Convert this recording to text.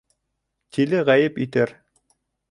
Тиле ғәйеп итер